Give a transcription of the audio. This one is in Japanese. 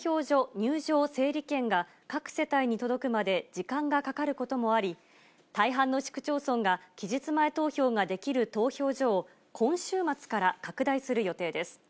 入場整理券が各世帯に届くまで時間がかかることもあり、大半の市区町村が期日前投票ができる投票所を、今週末から拡大する予定です。